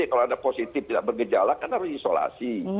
kalau ada positif tidak bergejala kan harus isolasi